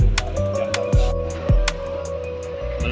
nanti saya balik ke tempat ini